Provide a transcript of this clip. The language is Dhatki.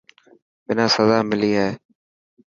منا سزا ملي هي.